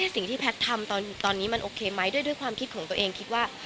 สิ่งที่แพทย์ทำตอนนี้มันโอเคไหมด้วยความคิดของตัวเองคิดว่า